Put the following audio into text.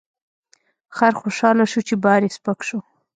خر خوشحاله شو چې بار یې سپک شو.